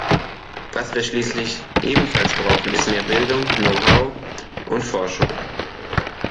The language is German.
Was wir schließlich ebenfalls brauchen, ist mehr Bildung, Know-how und Forschung.